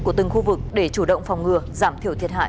của từng khu vực để chủ động phòng ngừa giảm thiểu thiệt hại